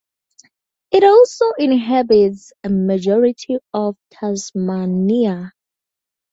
It also inhabits a majority of Tasmania.